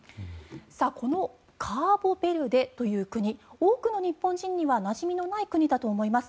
このカボベルデという国多くの日本人にはなじみのない国だと思います。